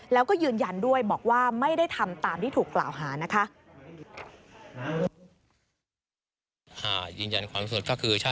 แล้วก็ยืนยันด้วยบอกว่าไม่ได้ทำตามที่ถูกกล่าวหานะคะ